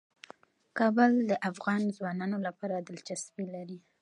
کابل د افغان ځوانانو لپاره دلچسپي لري.